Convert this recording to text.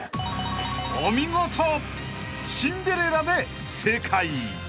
［お見事「シンデレラ」で正解］